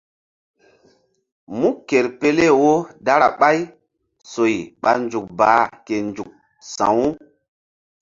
Mú ker pele wo dara ɓay soy ɓa nzukbaa ke nzuk sa̧wu.